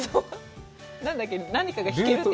何だっけ、何かが引けるって。